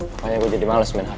pokoknya gua jadi males main hp